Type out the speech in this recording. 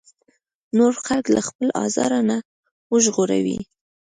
نور خلک له خپل ازار نه وژغوري.